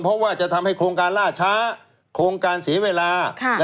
เพราะว่าจะทำให้โครงการล่าช้าโครงการเสียเวลา